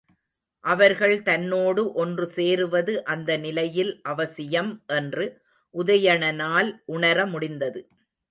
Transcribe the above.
அவர்கள் தன்னோடு ஒன்று சேருவது அந்த நிலையில் அவசியம் என்று உதயணனால் உணர முடிந்தது.